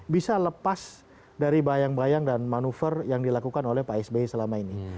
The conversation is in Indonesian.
bisa lepas dari bayang bayang dan manuver yang dilakukan oleh pak sby selama ini